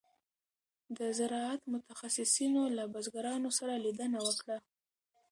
د زراعت متخصصینو له بزګرانو سره لیدنه وکړه.